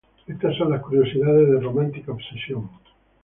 Esta son las curiosidades de Romántica Obsesión